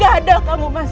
gak ada kamu mas